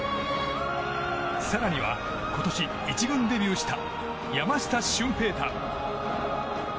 更には今年、１軍デビューした山下舜平大。